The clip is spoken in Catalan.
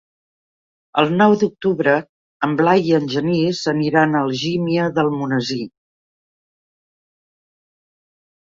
El nou d'octubre en Blai i en Genís aniran a Algímia d'Almonesir.